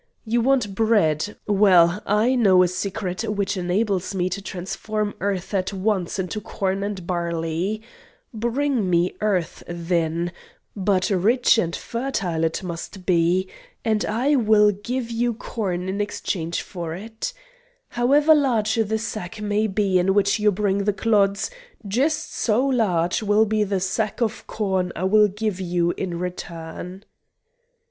"You want bread. Well, I know a secret which enables me to transform earth at once into corn and barley. Bring me earth, then but rich and fertile it must be and I will give you corn in exchange for it. However large the sack may be in which you bring the clods, just so large will be the sack of corn I will give you in return."